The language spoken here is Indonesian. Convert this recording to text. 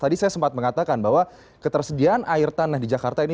tadi saya sempat mengatakan bahwa ketersediaan air tanah di jakarta ini